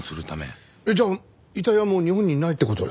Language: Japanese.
えっじゃあ遺体はもう日本にないって事ですか？